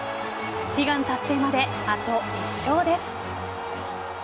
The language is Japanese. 悲願達成まで、あと１勝です。